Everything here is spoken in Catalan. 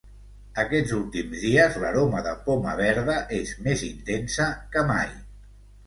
Aquests últims dies l'aroma de poma verda és més intensa que mai.